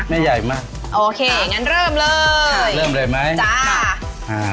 ไม่ใหญ่มากโอเคงั้นเริ่มเลยเริ่มเลยไหมจ้าอ่า